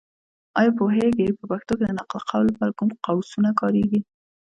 ایا پوهېږې؟ په پښتو کې د نقل قول لپاره کوم قوسونه کارېږي.